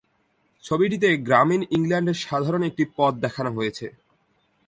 ছবিটিতে গ্রামীণ ইংল্যান্ডের সাধারণ একটি পথ দেখানো হয়েছে।